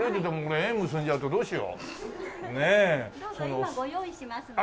今ご用意しますので。